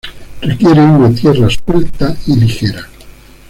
Requiere una tierra suelta y ligera.